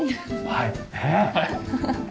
はい。